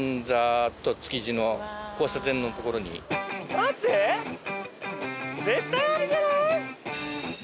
待って絶対あれじゃない？